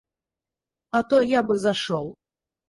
А то я бы зашел.